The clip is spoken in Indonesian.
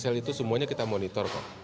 sel itu semuanya kita monitor kok